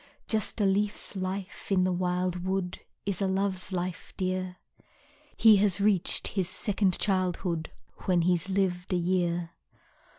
Just a leaf's life in the wild wood, Is a love's life, dear. He has reached his second childhood When he's lived a year.